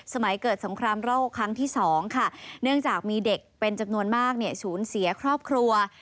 สมัยเกิดสงครามโรคครั้งที่๒ค่ะเนื่องจากมีเด็กเป็นจำนวนมากศูนย์เสียครอบครัว